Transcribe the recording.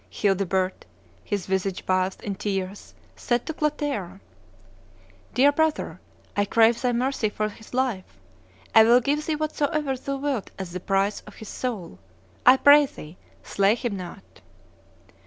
Childebert, his visage bathed in tears, saith to Clotaire, 'Dear brother, I crave thy mercy for his life; I will give thee whatsoever thou wilt as the price of his soul; I pray thee, slay him not.